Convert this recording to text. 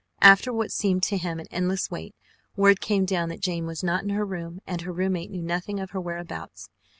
After what seemed to him an endless wait, word came down that Jane was not in her room and her roommate knew nothing of her whereabouts.